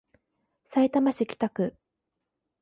さいたま市北区